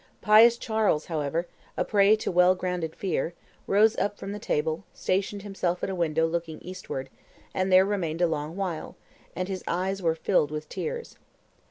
254] "Pious Charles, however, a prey to well grounded fear, rose up from table, stationed himself at a window looking eastward, and there remained a long while, and his eyes were filled with tears.